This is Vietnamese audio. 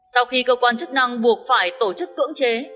sau khi cơ quan chức năng buộc phải tổ chức cưỡng chế